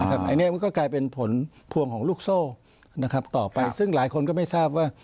อันนี้มันก็กลายเป็นผลพวงของลูกโซ่ต่อไปซึ่งหลายคนก็ไม่ทราบว่า